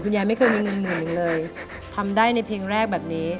ยายไม่เคยมีเงินหมื่นหนึ่งเลยทำได้ในเพลงแรกแบบนี้